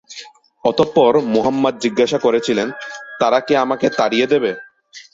অতঃপর মুহাম্মাদ জিজ্ঞাসা করেছিলেন, "তারা কি আমাকে তাড়িয়ে দেবে?"